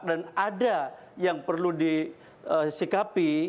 dan ada yang perlu disikapi